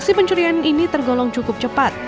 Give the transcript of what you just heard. aksi pencurian ini tergolong cukup cepat